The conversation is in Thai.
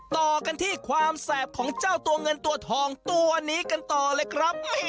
ต่อกันที่ความแสบของเจ้าตัวเงินตัวทองตัวนี้กันต่อเลยครับ